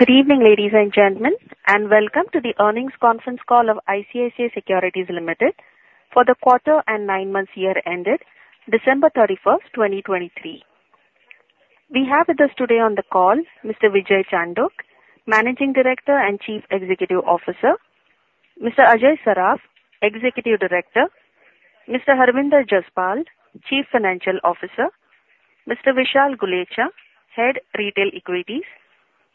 Good evening, ladies and gentlemen, and welcome to the earnings conference call of ICICI Securities Limited for the quarter and nine-month year ended December 31st, 2023. We have with us today on the call Mr. Vijay Chandok, Managing Director and Chief Executive Officer; Mr. Ajay Saraf, Executive Director; Mr. Harvinder Jaspal, Chief Financial Officer; Mr. Vishal Gulechha, Head Retail Equities;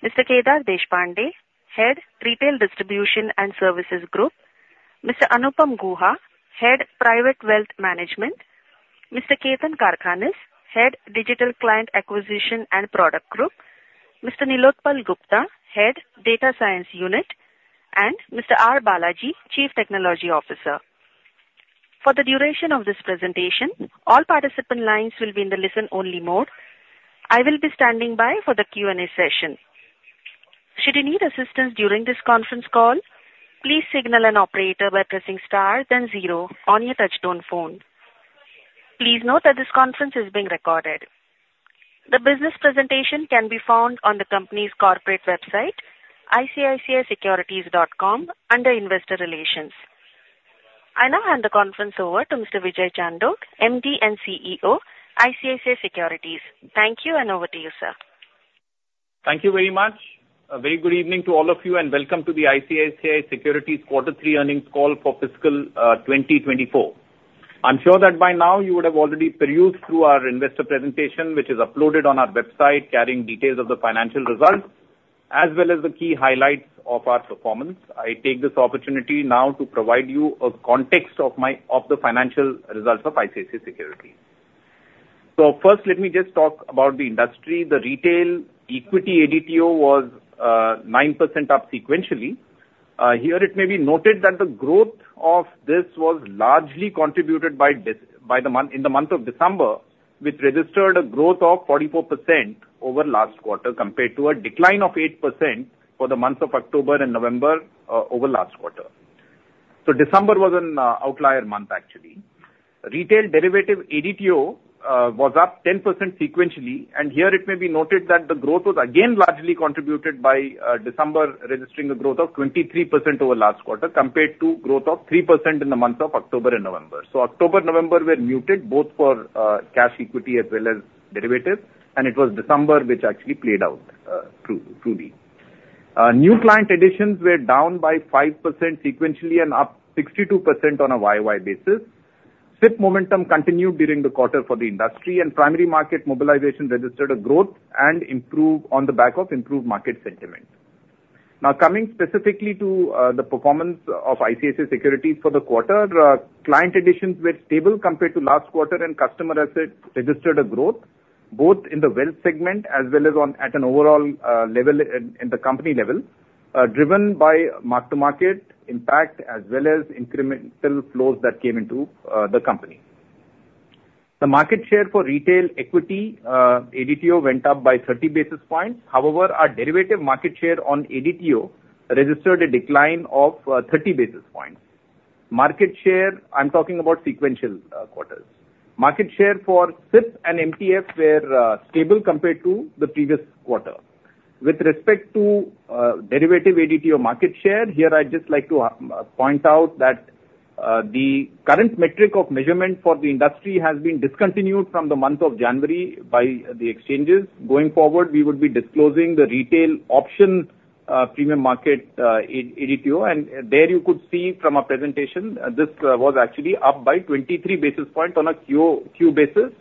Mr. Kedar Deshpande, Head Retail Distribution and Services Group; Mr. Anupam Guha, Head Private Wealth Management; Mr. Ketan Karkhanis, Head Digital Client Acquisition and Product Group; Mr. Nilotpal Gupta, Head Data Science Unit; and Mr. R. Balaji, Chief Technology Officer. For the duration of this presentation, all participant lines will be in the listen-only mode. I will be standing by for the Q&A session. Should you need assistance during this conference call, please signal an operator by pressing star then zero on your touch-tone phone. Please note that this conference is being recorded. The business presentation can be found on the company's corporate website, icici-securities.com, under Investor Relations. I now hand the conference over to Mr. Vijay Chandok, MD and CEO, ICICI Securities. Thank you, and over to you, sir. Thank you very much. A very good evening to all of you, and welcome to the ICICI Securities Quarter Three earnings call for Fiscal 2024. I'm sure that by now you would have already perused through our investor presentation, which is uploaded on our website, carrying details of the financial results as well as the key highlights of our performance. I take this opportunity now to provide you a context of the financial results of ICICI Securities. So first, let me just talk about the industry. The retail equity ADTO was 9% up sequentially. Here, it may be noted that the growth of this was largely contributed by the month in the month of December, which registered a growth of 44% over last quarter compared to a decline of 8% for the months of October and November over last quarter. So December was an outlier month, actually. Retail derivative ADTO was up 10% sequentially, and here it may be noted that the growth was again largely contributed by December, registering a growth of 23% over last quarter compared to a growth of 3% in the months of October and November, so October and November were muted, both for cash equity as well as derivatives, and it was December which actually played out truly. New client additions were down by 5% sequentially and up 62% on a YoY basis. SIP momentum continued during the quarter for the industry, and primary market mobilization registered a growth and improved on the back of improved market sentiment. Now, coming specifically to the performance of ICICI Securities for the quarter, client additions were stable compared to last quarter, and customer assets registered a growth both in the wealth segment as well as at an overall level in the company level, driven by mark-to-market impact as well as incremental flows that came into the company. The market share for retail equity ADTO went up by 30 basis points. However, our derivative market share on ADTO registered a decline of 30 basis points. Market share, I'm talking about sequential quarters. Market share for SIP and MTF were stable compared to the previous quarter. With respect to derivative ADTO market share, here I'd just like to point out that the current metric of measurement for the industry has been discontinued from the month of January by the exchanges. Going forward, we would be disclosing the retail options premium market ADTO, and there you could see from our presentation, this was actually up by 23 basis points on a QoQ basis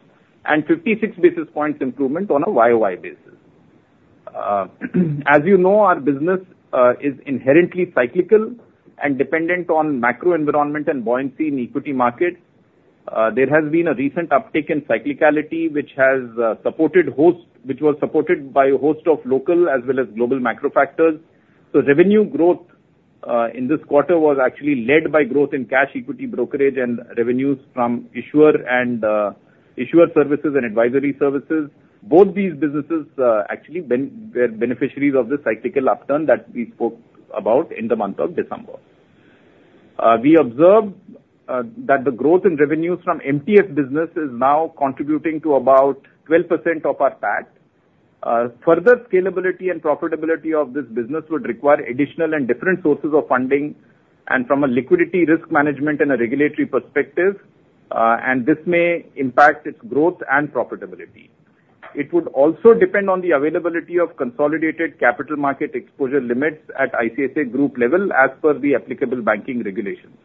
and 56 basis points improvement on a YoY basis. As you know, our business is inherently cyclical and dependent on macro environment and buoyancy in equity markets. There has been a recent uptick in cyclicality, which was supported by a host of local as well as global macro factors. So revenue growth in this quarter was actually led by growth in cash equity brokerage and revenues from issuer services and advisory services. Both these businesses actually were beneficiaries of the cyclical upturn that we spoke about in the month of December. We observed that the growth in revenues from MTF business is now contributing to about 12% of our PAT. Further scalability and profitability of this business would require additional and different sources of funding and from a liquidity risk management and a regulatory perspective, and this may impact its growth and profitability. It would also depend on the availability of consolidated capital market exposure limits at ICICI Group level as per the applicable banking regulations.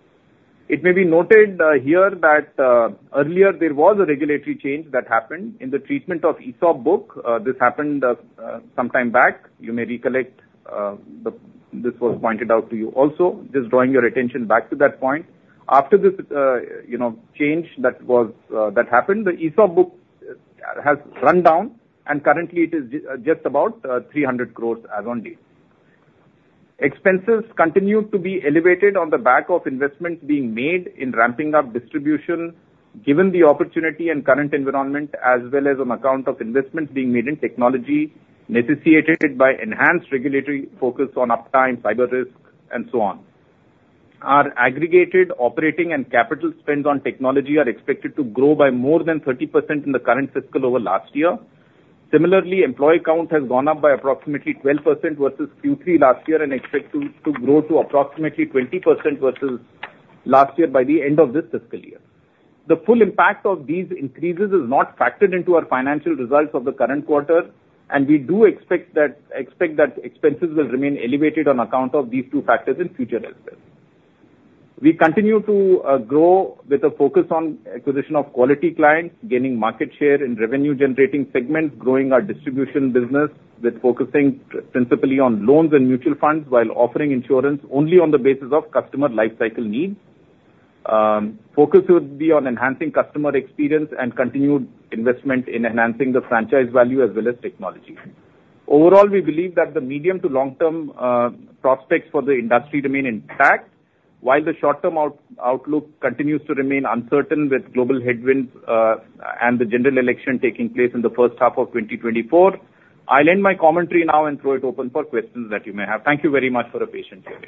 It may be noted here that earlier there was a regulatory change that happened in the treatment of ESOP book. This happened some time back. You may recollect this was pointed out to you also, just drawing your attention back to that point. After this change that happened, the ESOP book has run down, and currently it is just about 300 crores as on date. Expenses continue to be elevated on the back of investments being made in ramping up distribution, given the opportunity and current environment, as well as on account of investments being made in technology necessitated by enhanced regulatory focus on uptime, cyber risk, and so on. Our aggregated operating and capital spends on technology are expected to grow by more than 30% in the current fiscal over last year. Similarly, employee count has gone up by approximately 12% versus Q3 last year and expected to grow to approximately 20% versus last year by the end of this fiscal year. The full impact of these increases is not factored into our financial results of the current quarter, and we do expect that expenses will remain elevated on account of these two factors in future as well. We continue to grow with a focus on acquisition of quality clients, gaining market share in revenue-generating segments, growing our distribution business with focusing principally on loans and mutual funds while offering insurance only on the basis of customer lifecycle needs. Focus would be on enhancing customer experience and continued investment in enhancing the franchise value as well as technology. Overall, we believe that the medium to long-term prospects for the industry remain intact, while the short-term outlook continues to remain uncertain with global headwinds and the general election taking place in the first half of 2024. I'll end my commentary now and throw it open for questions that you may have. Thank you very much for your patience here.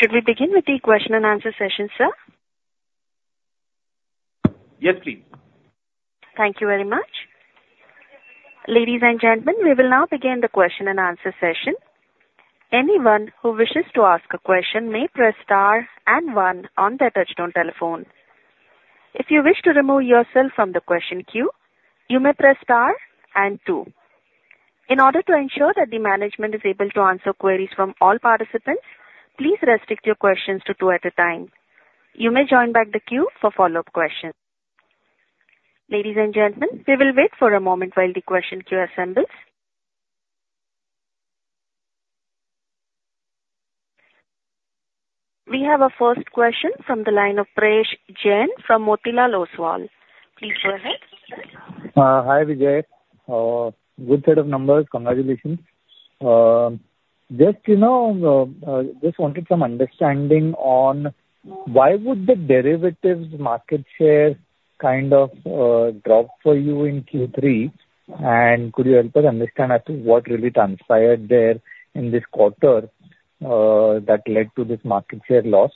Should we begin with the question and answer session, sir? Yes, please. Thank you very much. Ladies and gentlemen, we will now begin the question and answer session. Anyone who wishes to ask a question may press star and one on their touch-tone telephone. If you wish to remove yourself from the question queue, you may press star and two. In order to ensure that the management is able to answer queries from all participants, please restrict your questions to two at a time. You may join back the queue for follow-up questions. Ladies and gentlemen, we will wait for a moment while the question queue assembles. We have a first question from the line of Prayesh Jain from Motilal Oswal. Please go ahead. Hi, Vijay. Good set of numbers. Congratulations. Just wanted some understanding on why would the derivatives market share kind of drop for you in Q3? And could you help us understand as to what really transpired there in this quarter that led to this market share loss?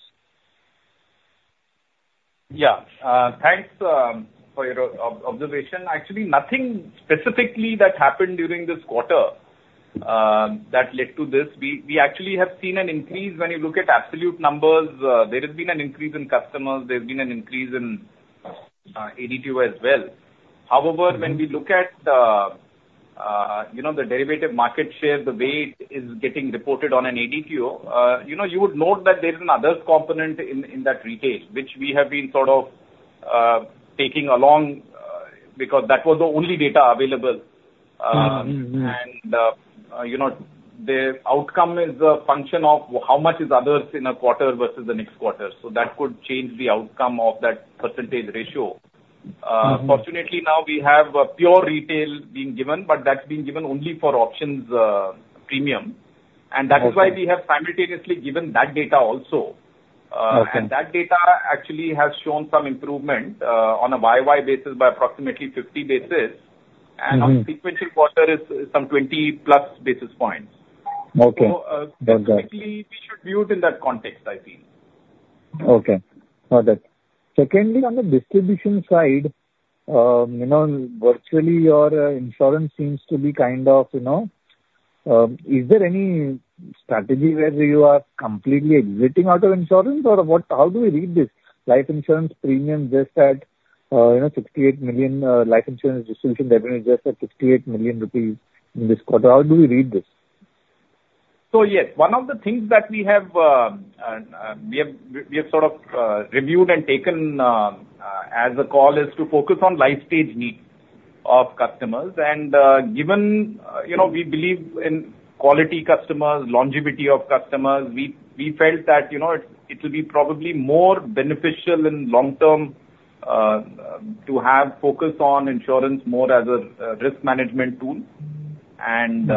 Yeah. Thanks for your observation. Actually, nothing specifically that happened during this quarter that led to this. We actually have seen an increase when you look at absolute numbers. There has been an increase in customers. There's been an increase in ADTO as well. However, when we look at the derivative market share, the way it is getting reported on an ADTO, you would note that there's another component in that retail, which we have been sort of taking along because that was the only data available. And the outcome is a function of how much is others in a quarter versus the next quarter. So that could change the outcome of that percentage ratio. Fortunately, now we have pure retail being given, but that's being given only for options premium. And that's why we have simultaneously given that data also. And that data actually has shown some improvement on a YoY basis by approximately 50 basis. And on the sequential quarter, it's some 20+ basis points. So technically, we should view it in that context, I think. Okay. Got it. Secondly, on the distribution side, virtually your insurance seems to be kind of, is there any strategy where you are completely exiting out of insurance? Or how do we read this? Life insurance premium just at 68 million. Life insurance distribution revenue just at 68 million rupees in this quarter. How do we read this? So yes, one of the things that we have sort of reviewed and taken as a call is to focus on life stage needs of customers, and given we believe in quality customers, longevity of customers, we felt that it will be probably more beneficial in the long term to have focus on insurance more as a risk management tool, and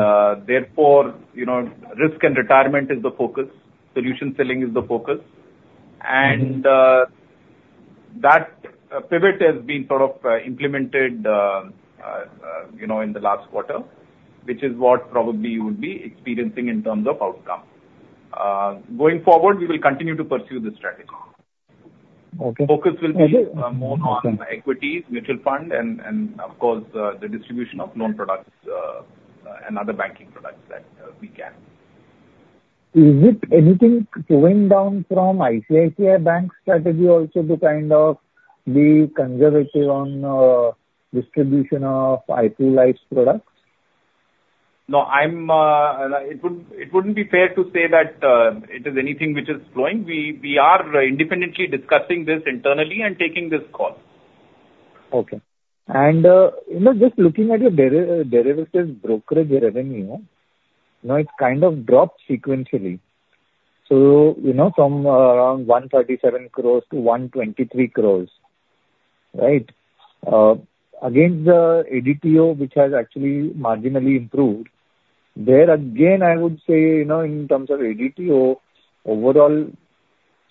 therefore, risk and retirement is the focus. Solution selling is the focus, and that pivot has been sort of implemented in the last quarter, which is what probably you would be experiencing in terms of outcome. Going forward, we will continue to pursue this strategy. Focus will be more on equities, mutual fund, and of course, the distribution of loan products and other banking products that we can. Is it anything slowing down from ICICI Bank's strategy also to kind of be conservative on distribution of IPO-like products? No, it wouldn't be fair to say that it is anything which is slowing. We are independently discussing this internally and taking this call. Okay. And just looking at your derivatives brokerage revenue, it's kind of dropped sequentially. So from around 137 crores to 123 crores, right? Against the ADTO, which has actually marginally improved, there again, I would say in terms of ADTO, overall,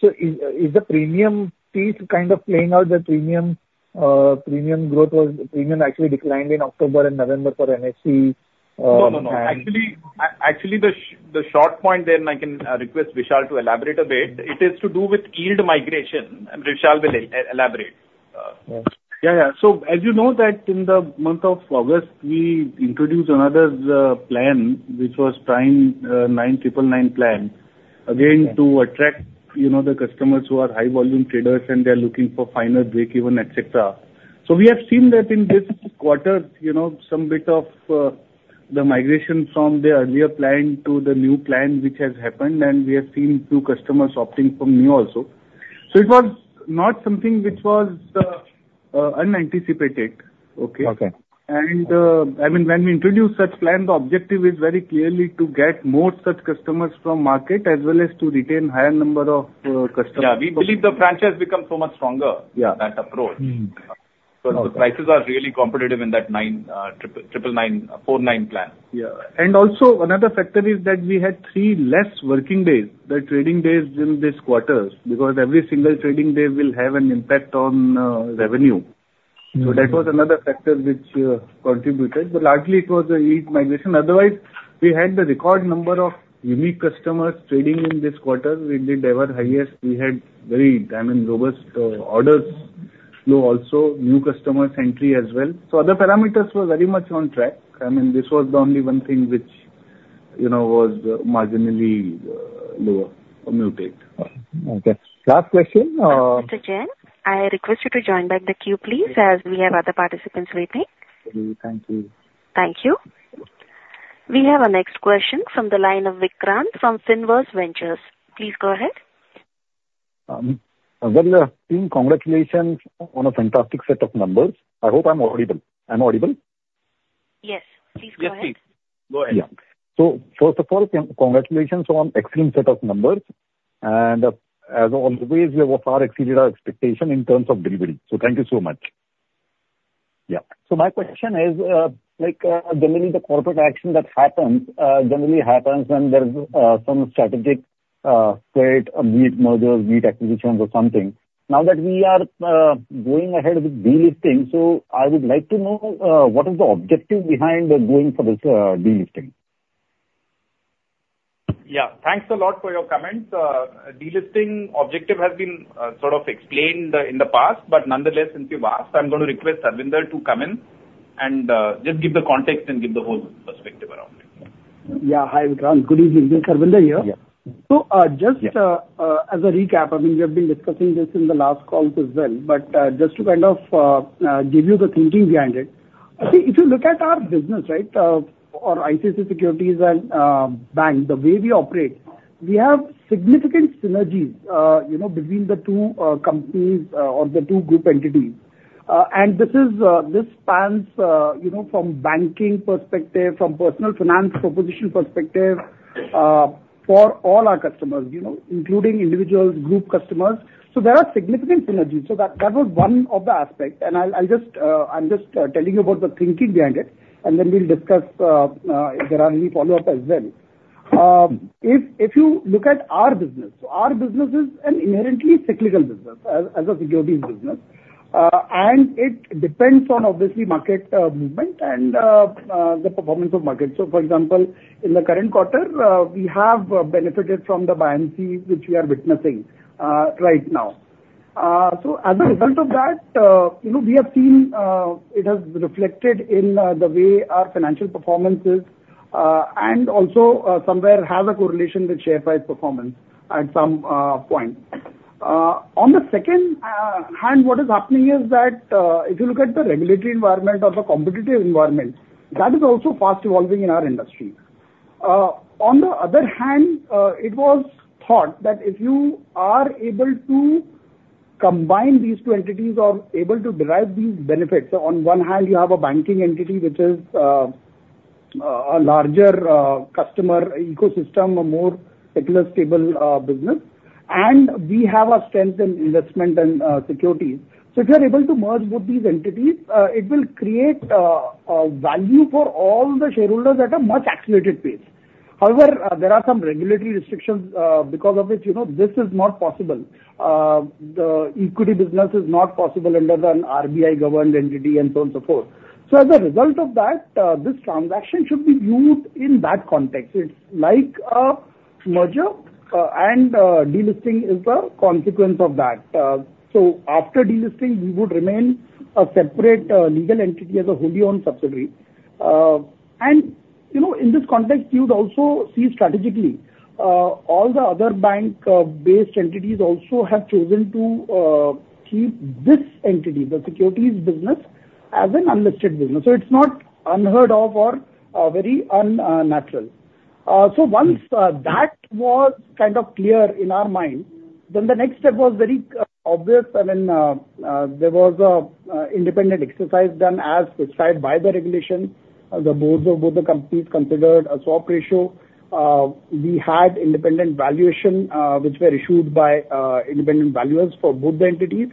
so is the premium piece kind of playing out the premium growth? Premium actually declined in October and November for NSE. No, no, no. Actually, the short point there, and I can request Vishal to elaborate a bit, it is to do with yield migration. Vishal will elaborate. Yeah, yeah. So as you know that in the month of August, we introduced another plan, which was Prime 9999 plan, again to attract the customers who are high-volume traders, and they're looking for finer breakeven, etc. So we have seen that in this quarter, some bit of the migration from the earlier plan to the new plan, which has happened, and we have seen new customers opting for new also. So it was not something which was unanticipated, okay? And I mean, when we introduce such plan, the objective is very clearly to get more such customers from market as well as to retain a higher number of customers. Yeah, we believe the franchise becomes so much stronger, that approach. Because the prices are really competitive in that 9999, 49 plan. Yeah. And also, another factor is that we had three less working days, the trading days in this quarter, because every single trading day will have an impact on revenue. So that was another factor which contributed. But largely, it was the yield migration. Otherwise, we had the record number of unique customers trading in this quarter. We did our highest. We had very, I mean, robust orders flow also, new customers entry as well. So other parameters were very much on track. I mean, this was the only one thing which was marginally lower or muted. Okay. Last question. Mr. Jain, I request you to join back the queue, please, as we have other participants waiting. Thank you. Thank you. We have a next question from the line of Vikrant from Finverse Ventures. Please go ahead. Well, team, congratulations on a fantastic set of numbers. I hope I'm audible. I'm audible? Yes. Please go ahead. Yes, please. Go ahead. Yeah. So first of all, congratulations on excellent set of numbers. And as always, we have far exceeded our expectation in terms of delivery. So thank you so much. Yeah. So my question is, generally, the corporate action that generally happens when there's some strategic shift, like M&A, mergers and acquisitions or something. Now that we are going ahead with delisting, so I would like to know what is the objective behind going for this delisting? Yeah. Thanks a lot for your comments. Delisting objective has been sort of explained in the past, but nonetheless, since you've asked, I'm going to request Harvinder to come in and just give the context and give the whole perspective around it. Yeah. Hi, Vikrant. Good evening. Harvinder here. Yes. So just as a recap, I mean, we have been discussing this in the last calls as well, but just to kind of give you the thinking behind it. If you look at our business, right, or ICICI Securities and Bank, the way we operate, we have significant synergies between the two companies or the two group entities. And this spans from banking perspective, from personal finance proposition perspective for all our customers, including individuals, group customers. So there are significant synergies. So that was one of the aspects. And I'm just telling you about the thinking behind it, and then we'll discuss if there are any follow-ups as well. If you look at our business, our business is an inherently cyclical business as a securities business. And it depends on, obviously, market movement and the performance of markets. For example, in the current quarter, we have benefited from the buying spree, which we are witnessing right now. As a result of that, we have seen it has reflected in the way our financial performance is and also somewhere has a correlation with share price performance at some point. On the other hand, what is happening is that if you look at the regulatory environment or the competitive environment, that is also fast evolving in our industry. On the other hand, it was thought that if you are able to combine these two entities or able to derive these benefits. On one hand, you have a banking entity, which is a larger customer ecosystem, a more secular, stable business, and we have a strength in investment and securities. So if you're able to merge both these entities, it will create a value for all the shareholders at a much accelerated pace. However, there are some regulatory restrictions because of it. This is not possible. The equity business is not possible under an RBI-governed entity and so on and so forth. So as a result of that, this transaction should be viewed in that context. It's like a merger, and delisting is the consequence of that. So after delisting, we would remain a separate legal entity as a wholly-owned subsidiary. And in this context, you would also see strategically all the other bank-based entities also have chosen to keep this entity, the securities business, as an unlisted business. So it's not unheard of or very unnatural. So once that was kind of clear in our mind, then the next step was very obvious. I mean, there was an independent exercise done as prescribed by the regulation. The boards of both the companies considered a swap ratio. We had independent valuation, which were issued by independent valuers for both the entities,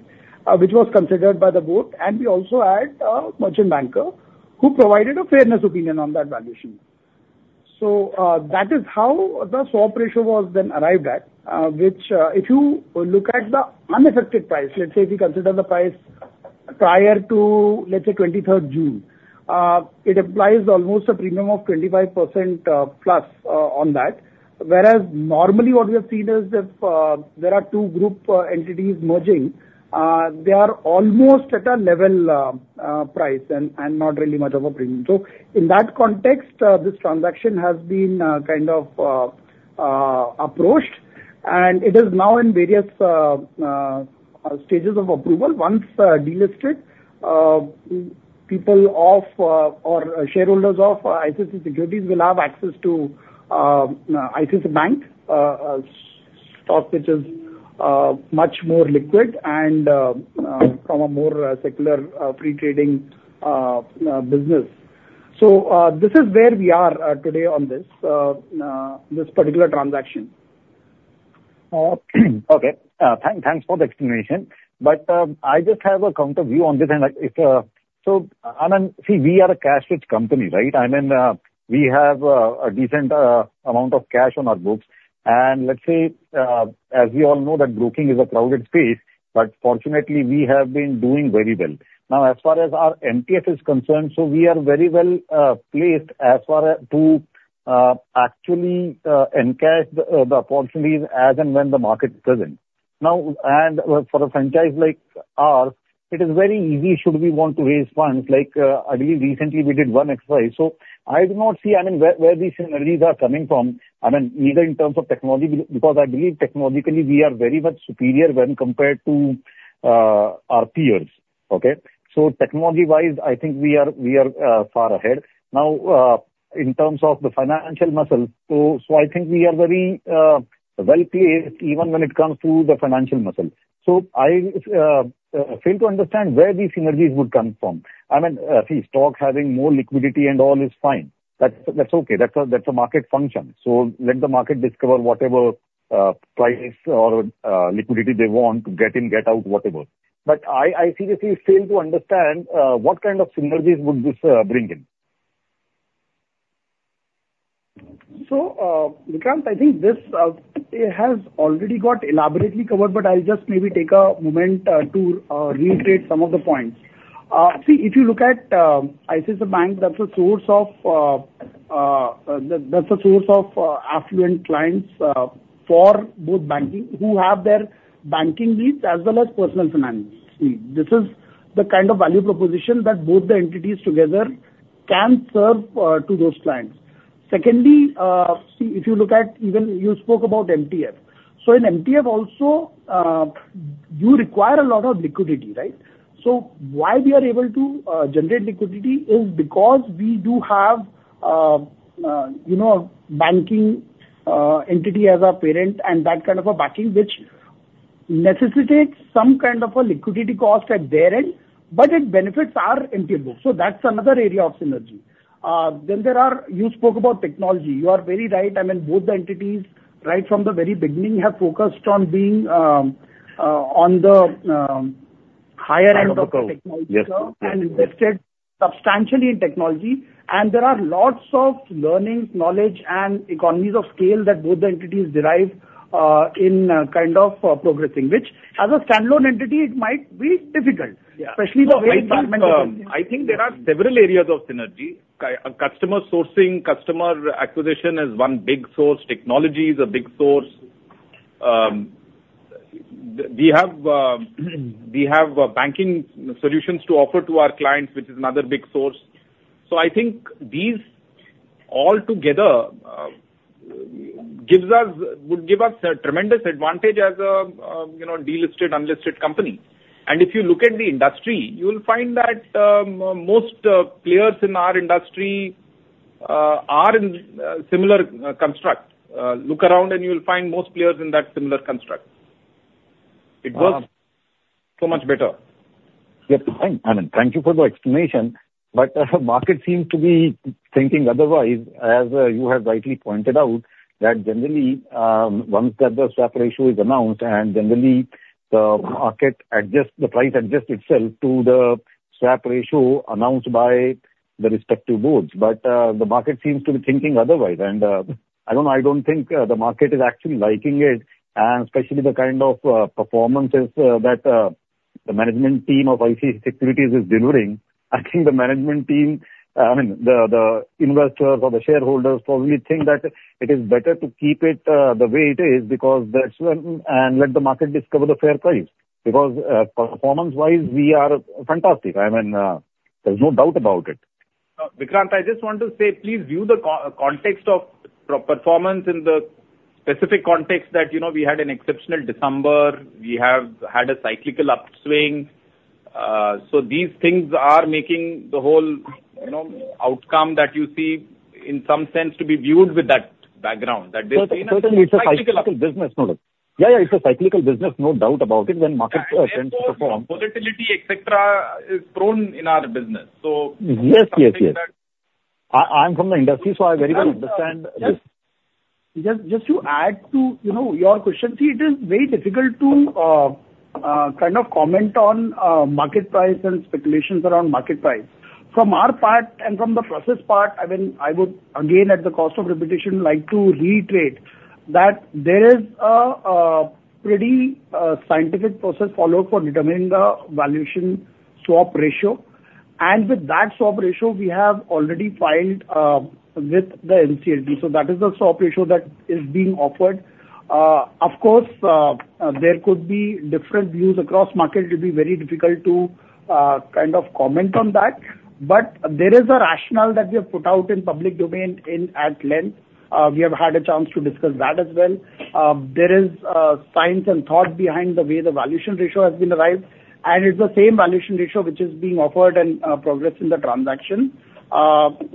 which was considered by the board. And we also had a merchant banker who provided a fairness opinion on that valuation. So that is how the swap ratio was then arrived at, which if you look at the unaffected price, let's say if we consider the price prior to, let's say, 23rd June, it implies almost a premium of 25%+ on that. Whereas normally what we have seen is if there are two group entities merging, they are almost at a level price and not really much of a premium. So in that context, this transaction has been kind of approached, and it is now in various stages of approval. Once delisted, people or shareholders of ICICI Securities will have access to ICICI Bank stock, which is much more liquid and from a more secular free trading business. So this is where we are today on this particular transaction. Okay. Thanks for the explanation. But I just have a counter view on this. And so I mean, see, we are a cash-rich company, right? I mean, we have a decent amount of cash on our books. And let's say, as we all know, that broking is a crowded space, but fortunately, we have been doing very well. Now, as far as our MTF is concerned, so we are very well placed as far as to actually encash the opportunities as and when the market is present. Now, and for a franchise like ours, it is very easy should we want to raise funds. I believe recently we did one exercise. So I do not see, I mean, where these synergies are coming from, I mean, either in terms of technology, because I believe technologically we are very much superior when compared to our peers, okay? So technology-wise, I think we are far ahead. Now, in terms of the financial muscle, so I think we are very well placed even when it comes to the financial muscle. So I fail to understand where these synergies would come from. I mean, see, stock having more liquidity and all is fine. That's okay. That's a market function. So let the market discover whatever price or liquidity they want to get in, get out, whatever. But I seriously fail to understand what kind of synergies would this bring in. So Vikrant, I think this has already got elaborately covered, but I'll just maybe take a moment to reiterate some of the points. See, if you look at ICICI Bank, that's a source of affluent clients for both banking who have their banking needs as well as personal finance needs. This is the kind of value proposition that both the entities together can serve to those clients. Secondly, see, if you look at even you spoke about MTF. So in MTF also, you require a lot of liquidity, right? So why we are able to generate liquidity is because we do have a banking entity as our parent and that kind of a backing, which necessitates some kind of a liquidity cost at their end, but it benefits our MTF book. So that's another area of synergy. Then there are, you spoke about technology. You are very right. I mean, both the entities, right from the very beginning, have focused on being on the higher end of technology and invested substantially in technology, and there are lots of learnings, knowledge, and economies of scale that both the entities derive in kind of progressing, which as a standalone entity, it might be difficult, especially the way it's implemented. I think there are several areas of synergy. Customer sourcing, customer acquisition is one big source. Technology is a big source. We have banking solutions to offer to our clients, which is another big source. So I think these all together would give us a tremendous advantage as a delisted, unlisted company. And if you look at the industry, you will find that most players in our industry are in similar construct. Look around and you'll find most players in that similar construct. It works so much better. Yes. I mean, thank you for the explanation. But the market seems to be thinking otherwise, as you have rightly pointed out, that generally, once the swap ratio is announced and generally the market adjusts, the price adjusts itself to the swap ratio announced by the respective boards. But the market seems to be thinking otherwise. And I don't know, I don't think the market is actually liking it, and especially the kind of performances that the management team of ICICI Securities is delivering. I think the management team, I mean, the investors or the shareholders probably think that it is better to keep it the way it is because that's and let the market discover the fair price. Because performance-wise, we are fantastic. I mean, there's no doubt about it. Vikrant, I just want to say, please view the context of performance in the specific context that we had an exceptional December. We have had a cyclical upswing. So these things are making the whole outcome that you see in some sense to be viewed with that background. That this is a cyclical business. Certainly, it's a cyclical business. Yeah, yeah. It's a cyclical business, no doubt about it, when market trends perform. Volatility, etc., is prone in our business. Yes. Yes, I'm from the industry, so I very well understand this. Just to add to your question, see, it is very difficult to kind of comment on market price and speculations around market price. From our part and from the process part, I mean, I would, again, at the cost of reputation, like to reiterate that there is a pretty scientific process followed for determining the valuation swap ratio. And with that swap ratio, we have already filed with the NCLT. So that is the swap ratio that is being offered. Of course, there could be different views across market. It would be very difficult to kind of comment on that. But there is a rationale that we have put out in public domain at length. We have had a chance to discuss that as well. There is science and thought behind the way the valuation ratio has been arrived. It's the same valuation ratio which is being offered and progressed in the transaction,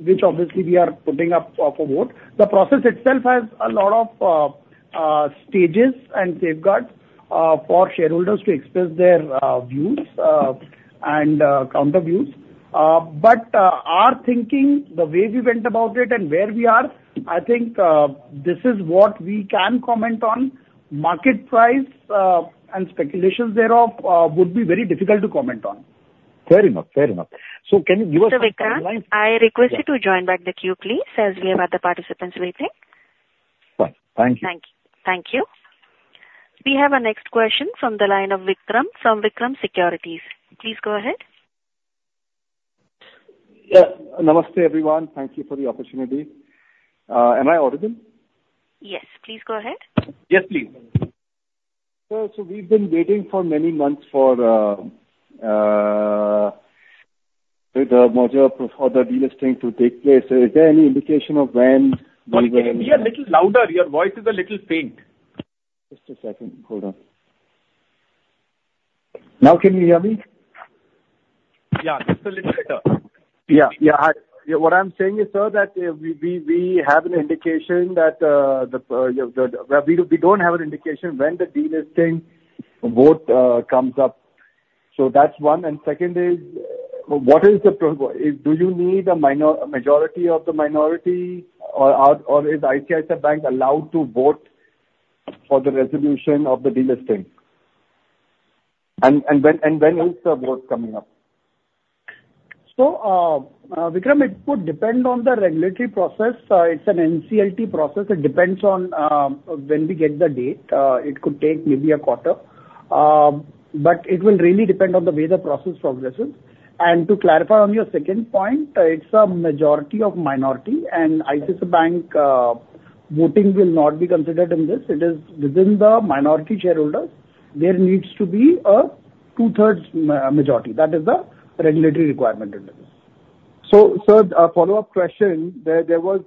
which obviously we are putting up for vote. The process itself has a lot of stages and safeguards for shareholders to express their views and counter views. Our thinking, the way we went about it and where we are, I think this is what we can comment on. Market price and speculations thereof would be very difficult to comment on. Very much. Very much. Can you give us a clear line? Vikrant, I request you to join back the queue, please, as we have other participants waiting. Fine. Thank you. Thank you. Thank you. We have a next question from the line of Vikram, from Vikram Securities. Please go ahead. Yeah. Namaste everyone. Thank you for the opportunity. Am I audible? Yes. Please go ahead. Yes, please. So we've been waiting for many months for the merger or the delisting to take place. Is there any indication of when we will? We are a little louder. Your voice is a little faint. Just a second. Hold on. Now can you hear me? Yeah. Just a little better. Yeah. Yeah. What I'm saying is, sir, that we have an indication that we don't have an indication when the delisting vote comes up. So that's one. And second is, what is, do you need a majority of the minority or is ICICI Bank allowed to vote for the resolution of the delisting? And when is the vote coming up So Vikram, it would depend on the regulatory process. It's an NCLT process. It depends on when we get the date. It could take maybe a quarter. But it will really depend on the way the process progresses. And to clarify on your second point, it's a majority of minority. And ICICI Bank voting will not be considered in this. It is within the minority shareholders. There needs to be a two-thirds majority. That is the regulatory requirement in this. Sir, a follow-up question. There was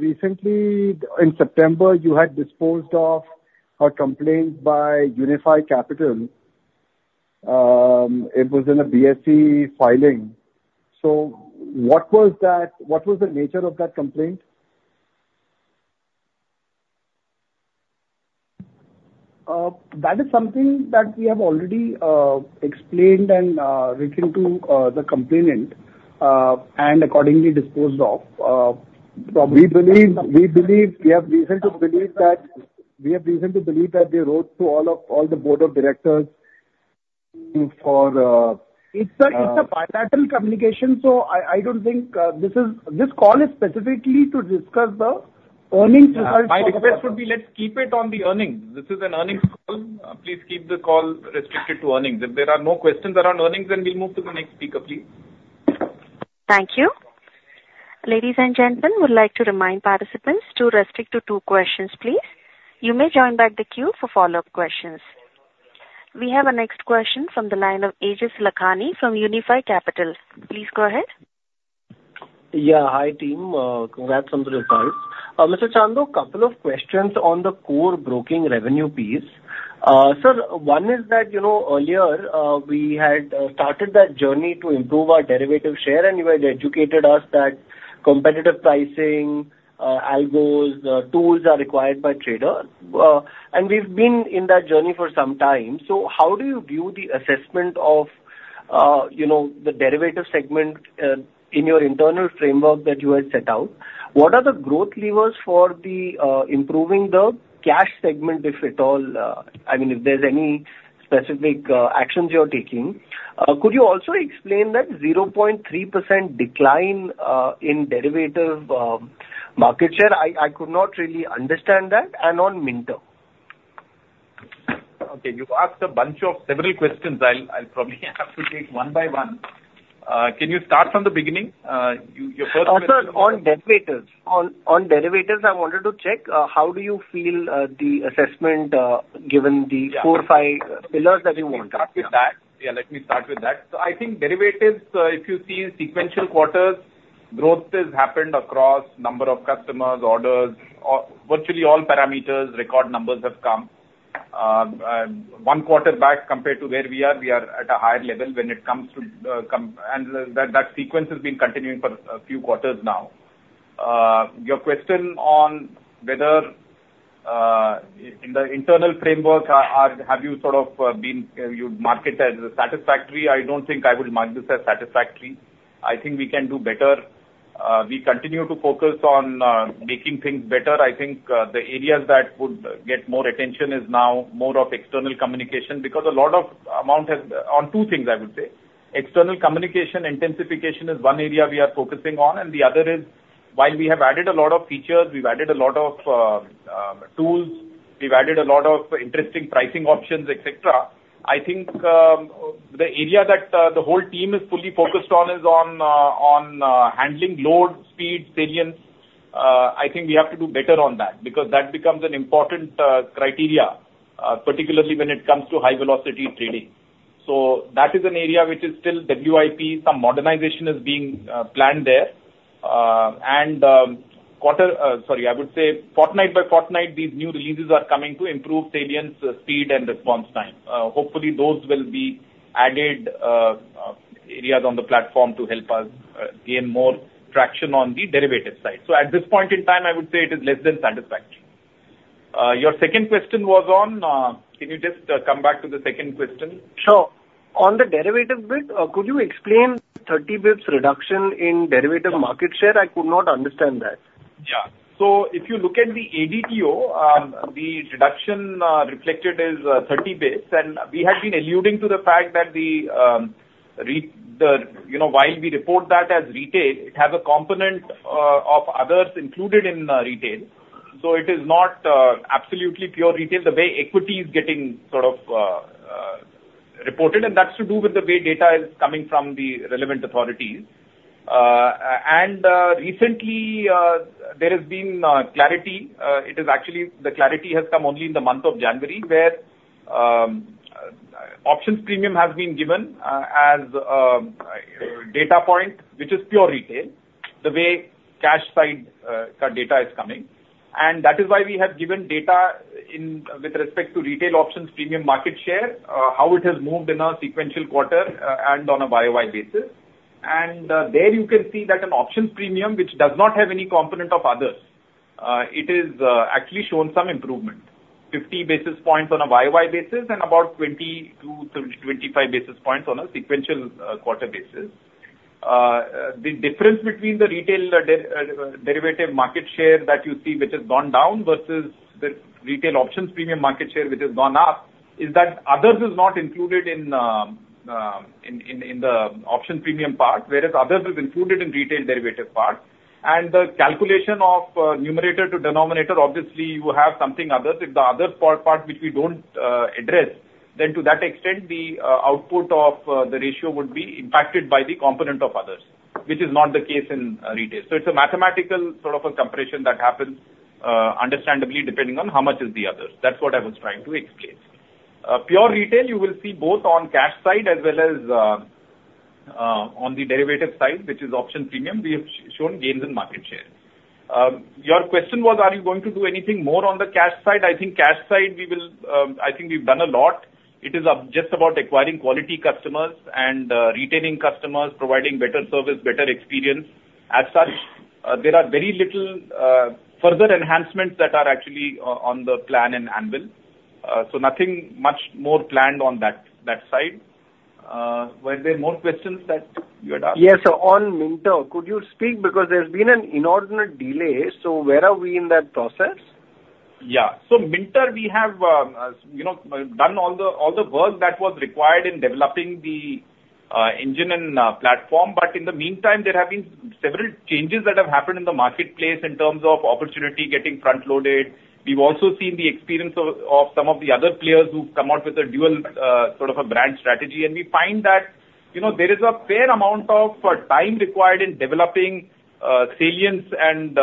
recently in September, you had disposed of a complaint by Unifi Capital. It was in a BSE filing. What was the nature of that complaint? That is something that we have already explained and written to the complainant and accordingly disposed of. We believe we have reason to believe that they wrote to all the board of directors for. It's a bilateral communication. So I don't think this call is specifically to discuss the earnings results. My request would be let's keep it on the earnings. This is an earnings call. Please keep the call restricted to earnings. If there are no questions around earnings, then we'll move to the next speaker, please. Thank you. Ladies and gentlemen, would like to remind participants to restrict to two questions, please. You may join back the queue for follow-up questions. We have a next question from the line of Aejas Lakhani from Unifi Capital. Please go ahead. Yeah. Hi team. Congrats on the results. Mr. Chandok, a couple of questions on the core broking revenue piece. Sir, one is that earlier we had started that journey to improve our derivative share, and you had educated us that competitive pricing, algos, tools are required by trader. And we've been in that journey for some time. So how do you view the assessment of the derivative segment in your internal framework that you had set out? What are the growth levers for improving the cash segment, if at all? I mean, if there's any specific actions you're taking. Could you also explain that 0.3% decline in derivative market share? I could not really understand that. And on Minter? Okay. You've asked a bunch of several questions. I'll probably have to take one by one. Can you start from the beginning? Your first question. Sir, on derivatives. On derivatives, I wanted to check how do you feel the assessment given the four or five pillars that you want? Let me start with that. Yeah, let me start with that. So I think derivatives, if you see sequential quarters, growth has happened across number of customers, orders, virtually all parameters, record numbers have come. One quarter back compared to where we are, we are at a higher level when it comes to and that sequence has been continuing for a few quarters now. Your question on whether in the internal framework, have you sort of been marketed as satisfactory? I don't think I would mark this as satisfactory. I think we can do better. We continue to focus on making things better. I think the areas that would get more attention is now more of external communication because a lot of amount has on two things, I would say. External communication intensification is one area we are focusing on. And the other is, while we have added a lot of features, we've added a lot of tools, we've added a lot of interesting pricing options, etc. I think the area that the whole team is fully focused on is on handling load, speed, scalability. I think we have to do better on that because that becomes an important criterion, particularly when it comes to high-velocity trading. So that is an area which is still WIP. Some modernization is being planned there. And quarterly, sorry, I would say fortnight by fortnight, these new releases are coming to improve scalability, speed, and response time. Hopefully, those will be added areas on the platform to help us gain more traction on the derivatives side. So at this point in time, I would say it is less than satisfactory. Your second question was on, can you just come back to the second question? Sure. On the derivative bit, could you explain 30 basis points reduction in derivative market share? I could not understand that. Yeah. So if you look at the ADTO, the reduction reflected is 30 basis points. And we had been alluding to the fact that while we report that as retail, it has a component of others included in retail. So it is not absolutely pure retail, the way equity is getting sort of reported. And that's to do with the way data is coming from the relevant authorities. And recently, there has been clarity. It is actually the clarity has come only in the month of January where options premium has been given as a data point, which is pure retail, the way cash side data is coming. And that is why we have given data with respect to retail options premium market share, how it has moved in a sequential quarter and on a YoY basis. There you can see that an options premium, which does not have any component of others, it has actually shown some improvement, 50 basis points on a YoY basis and about 20-25 basis points on a sequential quarter basis. The difference between the retail derivative market share that you see, which has gone down, versus the retail options premium market share, which has gone up, is that others are not included in the options premium part, whereas others are included in retail derivative part. The calculation of numerator to denominator, obviously, you have something others. If the other part, which we don't address, then to that extent, the output of the ratio would be impacted by the component of others, which is not the case in retail. It is a mathematical sort of a comparison that happens, understandably, depending on how much is the others. That's what I was trying to explain. Pure retail, you will see both on cash side as well as on the derivative side, which is options premium, we have shown gains in market share. Your question was, are you going to do anything more on the cash side? I think cash side, we will I think we've done a lot. It is just about acquiring quality customers and retaining customers, providing better service, better experience. As such, there are very little further enhancements that are actually on the plan in anvil. So nothing much more planned on that side. Were there more questions that you had asked? Yes. So on Minter, could you speak? Because there's been an inordinate delay. So where are we in that process? Yeah. So Minter, we have done all the work that was required in developing the engine and platform. But in the meantime, there have been several changes that have happened in the marketplace in terms of opportunity getting front-loaded. We've also seen the experience of some of the other players who've come out with a dual sort of a brand strategy. And we find that there is a fair amount of time required in developing salience and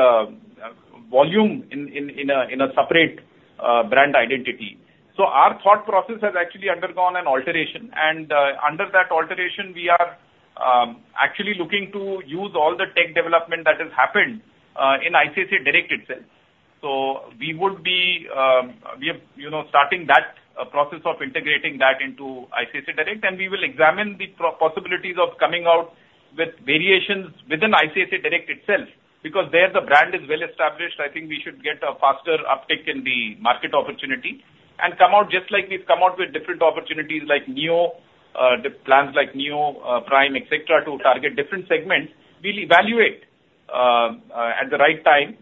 volume in a separate brand identity. So our thought process has actually undergone an alteration. And under that alteration, we are actually looking to use all the tech development that has happened in ICICI Direct itself. So we would be starting that process of integrating that into ICICI Direct. And we will examine the possibilities of coming out with variations within ICICI Direct itself because there the brand is well established. I think we should get a faster uptick in the market opportunity and come out just like we've come out with different opportunities like Neo, plans like Neo, Prime, etc., to target different segments. We'll evaluate at the right time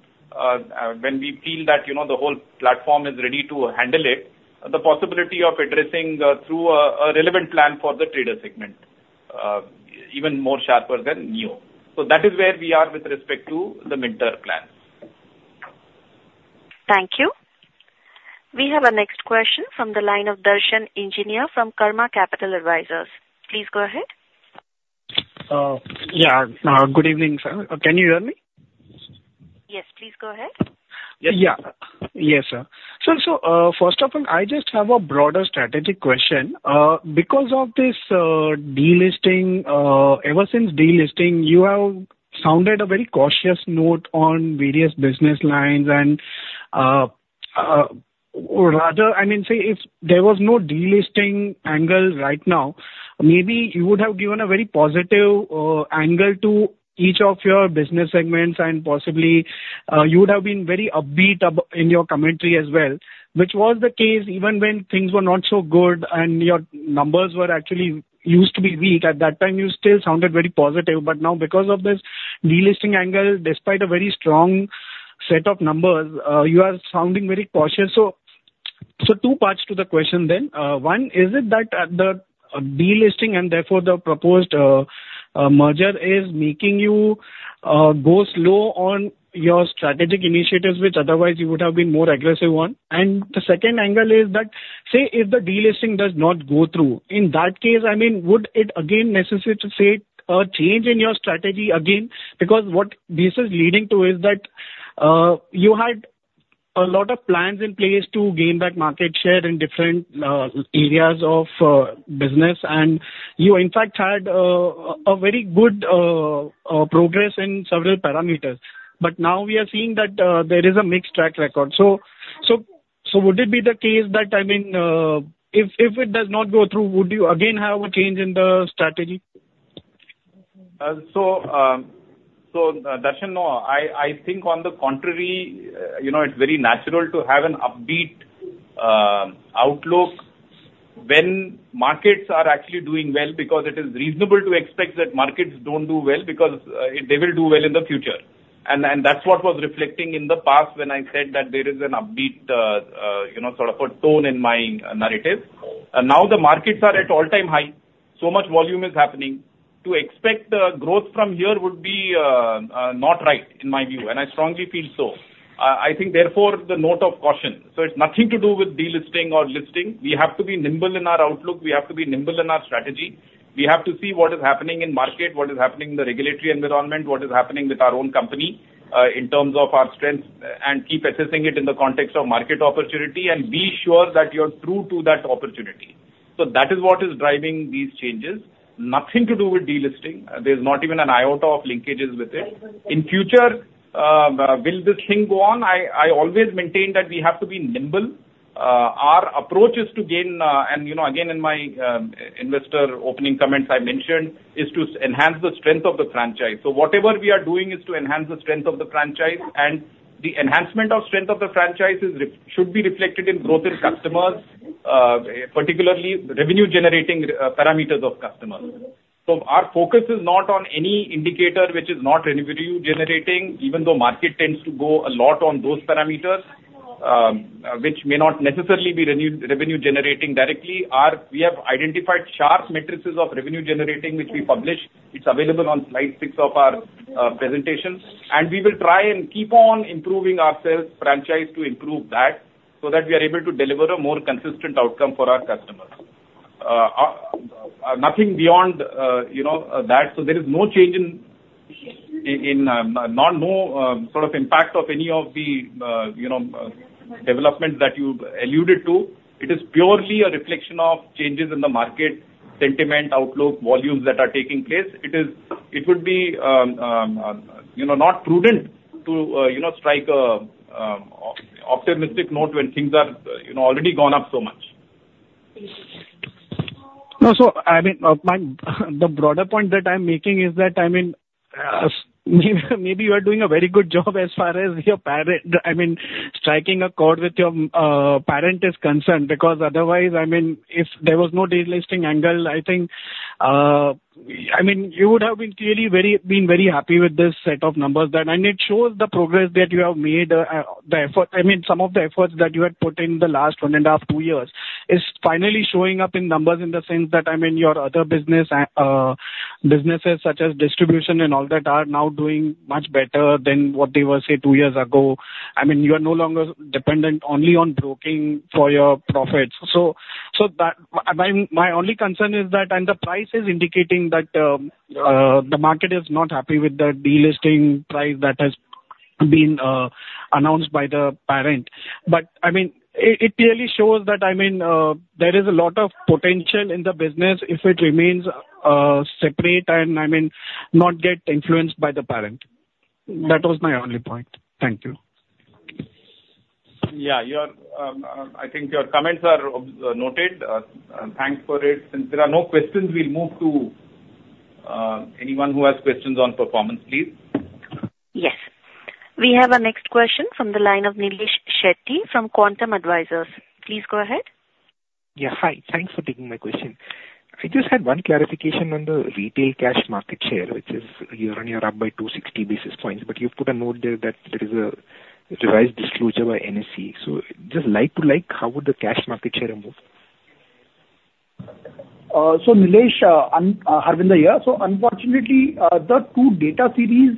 when we feel that the whole platform is ready to handle it, the possibility of addressing through a relevant plan for the trader segment even more sharper than Neo. So that is where we are with respect to the Minter plans. Thank you. We have a next question from the line of Darshan Engineer from Karma Capital Advisors. Please go ahead. Yeah. Good evening, sir. Can you hear me? Yes. Please go ahead. Yeah. Yes, sir. So first of all, I just have a broader strategic question. Because of this delisting, ever since delisting, you have sounded a very cautious note on various business lines. And rather, I mean, say if there was no delisting angle right now, maybe you would have given a very positive angle to each of your business segments. And possibly, you would have been very upbeat in your commentary as well, which was the case even when things were not so good and your numbers were actually used to be weak. At that time, you still sounded very positive. But now, because of this delisting angle, despite a very strong set of numbers, you are sounding very cautious. So two parts to the question then. One, is it that the delisting and therefore the proposed merger is making you go slow on your strategic initiatives, which otherwise you would have been more aggressive on? And the second angle is that, say, if the delisting does not go through, in that case, I mean, would it again necessitate a change in your strategy again? Because what this is leading to is that you had a lot of plans in place to gain that market share in different areas of business. And you, in fact, had a very good progress in several parameters. But now we are seeing that there is a mixed track record. So would it be the case that, I mean, if it does not go through, would you again have a change in the strategy? So Darshan, no. I think on the contrary, it's very natural to have an upbeat outlook when markets are actually doing well because it is reasonable to expect that markets don't do well because they will do well in the future. And that's what was reflecting in the past when I said that there is an upbeat sort of a tone in my narrative. Now the markets are at all-time high. So much volume is happening. To expect growth from here would be not right, in my view. And I strongly feel so. I think, therefore, the note of caution. So it's nothing to do with delisting or listing. We have to be nimble in our outlook. We have to be nimble in our strategy. We have to see what is happening in market, what is happening in the regulatory environment, what is happening with our own company in terms of our strength, and keep assessing it in the context of market opportunity and be sure that you're true to that opportunity. So that is what is driving these changes. Nothing to do with delisting. There's not even an iota of linkages with it. In future, will this thing go on? I always maintain that we have to be nimble. Our approach is to gain, and again, in my investor opening comments, I mentioned is to enhance the strength of the franchise. So whatever we are doing is to enhance the strength of the franchise. And the enhancement of strength of the franchise should be reflected in growth in customers, particularly revenue-generating parameters of customers. So our focus is not on any indicator which is not revenue-generating, even though market tends to go a lot on those parameters, which may not necessarily be revenue-generating directly. We have identified sharp matrices of revenue-generating, which we publish. It's available on slide six of our presentation. And we will try and keep on improving ourselves, franchise, to improve that so that we are able to deliver a more consistent outcome for our customers. Nothing beyond that. So there is no change in no sort of impact of any of the developments that you alluded to. It is purely a reflection of changes in the market sentiment, outlook, volumes that are taking place. It would be not prudent to strike an optimistic note when things are already gone up so much. So, I mean, the broader point that I'm making is that, I mean, maybe you are doing a very good job as far as your parent, I mean, striking a chord with your parent is concerned because otherwise, I mean, if there was no delisting angle, I think, I mean, you would have been clearly very happy with this set of numbers that, and it shows the progress that you have made, the effort, I mean, some of the efforts that you had put in the last one and a half, two years is finally showing up in numbers in the sense that, I mean, your other businesses such as distribution and all that are now doing much better than what they were, say, two years ago. I mean, you are no longer dependent only on broking for your profits. So my only concern is that, and the price is indicating that the market is not happy with the delisting price that has been announced by the parent. But I mean, it clearly shows that, I mean, there is a lot of potential in the business if it remains separate and, I mean, not get influenced by the parent. That was my only point. Thank you. Yeah. I think your comments are noted. Thanks for it. Since there are no questions, we'll move to anyone who has questions on performance, please. Yes. We have a next question from the line of Nilesh Shetty from Quantum Advisors. Please go ahead. Yeah. Hi. Thanks for taking my question. I just had one clarification on the retail cash market share, which is year-on-year up by 260 basis points. But you put a note there that there is a revised disclosure by NSE. So just like-for-like, how would the cash market share move? So, Nilesh, Harvinder here. So, unfortunately, the two data series,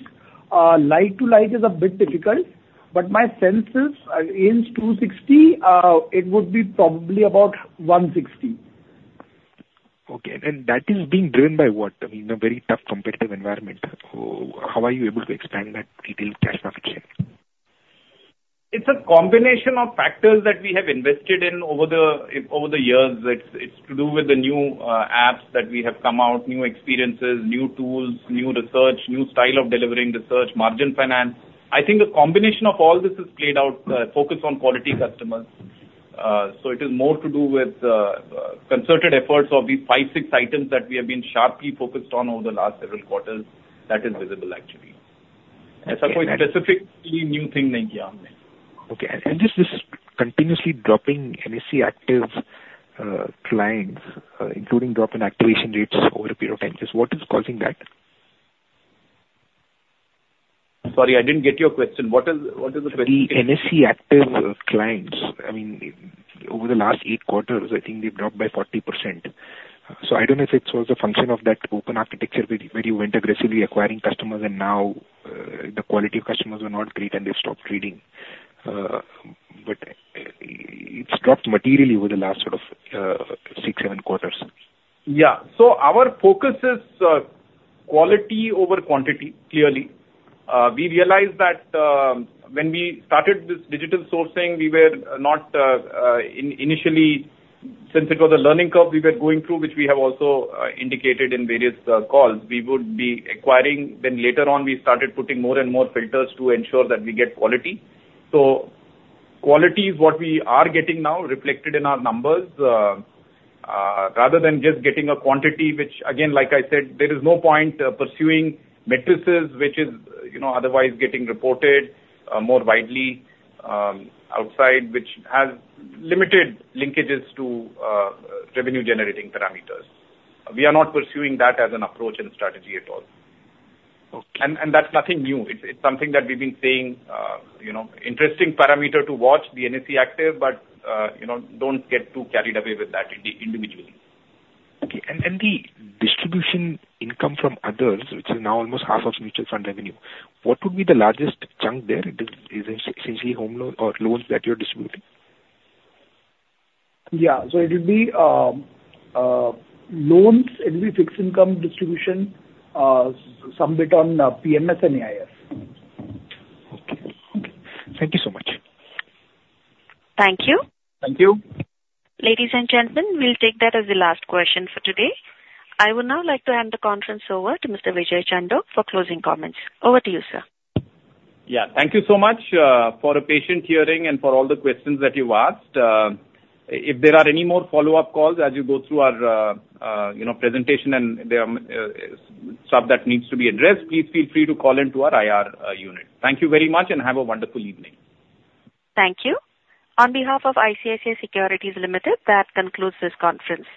like-for-like, is a bit difficult. But my sense is, against 260, it would be probably about 160. Okay. And that is being driven by what? I mean, a very tough competitive environment. How are you able to expand that retail cash market share? It's a combination of factors that we have invested in over the years. It's to do with the new apps that we have come out, new experiences, new tools, new research, new style of delivering research, margin finance. I think the combination of all this has played out, focus on quality customers. So it is more to do with concerted efforts of these five, six items that we have been sharply focused on over the last several quarters. That is visible, actually. It's a specifically new thing that you have made. Okay. This is continuously dropping NSE active clients, including drop in activation rates over a period of time. Just what is causing that? Sorry, I didn't get your question. What is the question? The NSE active clients, I mean, over the last eight quarters, I think they've dropped by 40%. So I don't know if it was a function of that open architecture where you went aggressively acquiring customers and now the quality of customers were not great and they stopped trading. But it's dropped materially over the last sort of six, seven quarters. Yeah. So our focus is quality over quantity, clearly. We realized that when we started with digital sourcing, we were not initially, since it was a learning curve we were going through, which we have also indicated in various calls, we would be acquiring. Then later on, we started putting more and more filters to ensure that we get quality. So quality is what we are getting now reflected in our numbers rather than just getting a quantity, which, again, like I said, there is no point pursuing metrics which is otherwise getting reported more widely outside, which has limited linkages to revenue-generating parameters. We are not pursuing that as an approach and strategy at all. And that's nothing new. It's something that we've been seeing. Interesting parameter to watch, the NSE active, but don't get too carried away with that individually. Okay, and the distribution income from others, which is now almost half of mutual fund revenue, what would be the largest chunk there? Is it essentially home loans or loans that you're distributing? Yeah. So it would be loans. It would be fixed income distribution, some bit on PMS and AIF. Okay. Thank you so much. Thank you. Thank you. Ladies and gentlemen, we'll take that as the last question for today. I would now like to hand the conference over to Mr. Vijay Chandok for closing comments. Over to you, sir. Yeah. Thank you so much for the patient hearing and for all the questions that you've asked. If there are any more follow-up calls as you go through our presentation and there are stuff that needs to be addressed, please feel free to call into our IR unit. Thank you very much and have a wonderful evening. Thank you. On behalf of ICICI Securities Limited, that concludes this conference.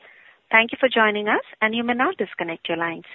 Thank you for joining us, and you may now disconnect your lines.